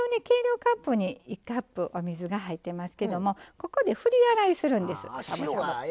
計量カップに１カップお水が入ってますけどもここで振り洗いするんです。